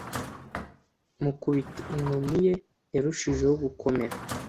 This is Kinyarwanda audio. Mukubite, inkoni ye yarushijeho gukomera.